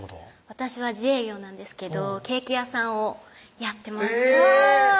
私は自営業なんですけどケーキ屋さんをやってますへぇ！